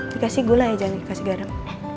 dikasih gula ya jangan dikasih garam